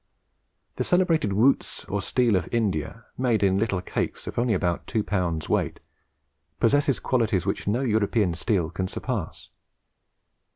The celebrated wootz or steel of India, made in little cakes of only about two pounds weight, possesses qualities which no European steel can surpass.